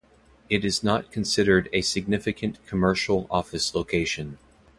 It is not considered a significant commercial office location.